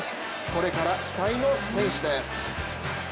これから期待の選手です。